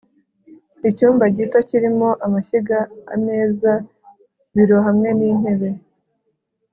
icyumba gito kirimo amashyiga, ameza, biro hamwe n'intebe